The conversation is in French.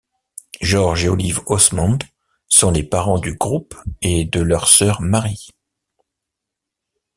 George et Olive Osmond sont les parents du groupe et de leur sœur Marie.